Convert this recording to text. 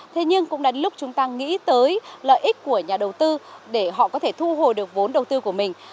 thế nhưng cũng đến lúc chúng ta nghĩ tới lợi ích của nhà đầu tư để họ có thể thu hồi được vốn đầu tư của mình